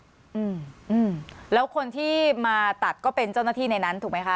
อืมแล้วคนที่มาตัดก็เป็นเจ้าหน้าที่ในนั้นถูกไหมคะ